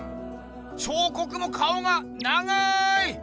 彫刻も顔が長い！